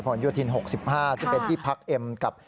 ผลโยทิน๖๕จะเป็นที่พักเอ็มกับ